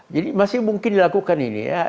jadi masih mungkin dilakukan ini